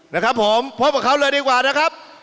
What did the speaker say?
นะครับผมพบกับเขาเลยดีกว่านะครับ